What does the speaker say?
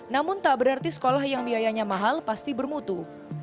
namun tak berarti sekolah yang biayanya mahal pasti bermutu